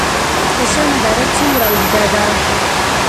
کشم دره څومره اوږده ده؟